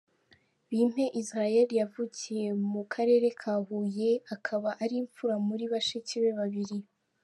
Bimpe Israel yavukiye mu Karere ka Huye akaba ari imfura muri bashiki be babiri.